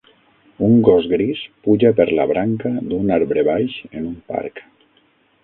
Un gos gris puja per la branca d'un arbre baix en un parc.